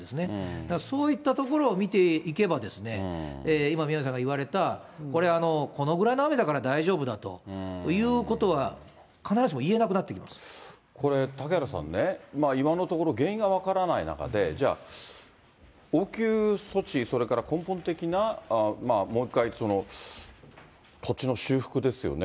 だからそういったところを見ていけば、今、宮根さんが言われた、これ、このぐらいの雨だから大丈夫だということは必ずしも言えな嵩原さんね、今のところ、原因が分からない中で、じゃあ、応急処置、それから根本的なもう一回、土地の修復ですよね。